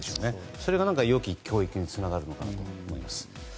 それが良き教育につながるのかなと思います。